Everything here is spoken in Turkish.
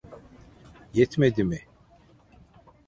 Yetmedi mi?